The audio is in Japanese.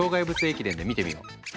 駅伝で見てみよう。